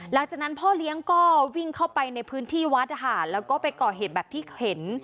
หลังจากนั้นพ่อเลี้ยงก็วิ่งเข้าไปในพื้นที่วัดนะคะแล้วก็ไปก่อเหตุแบบที่เห็น